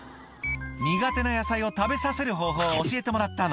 「苦手な野菜を食べさせる方法を教えてもらったの」